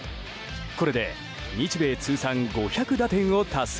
これで日米通算５００打点を達成。